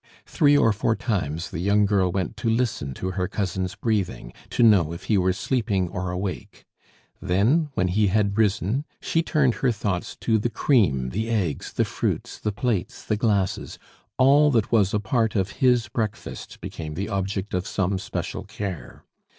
Three or four times the young girl went to listen to her cousin's breathing, to know if he were sleeping or awake; then, when he had risen, she turned her thoughts to the cream, the eggs, the fruits, the plates, the glasses, all that was a part of his breakfast became the object of some special care.